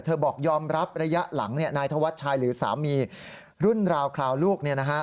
บอกยอมรับระยะหลังนายธวัชชัยหรือสามีรุ่นราวคราวลูก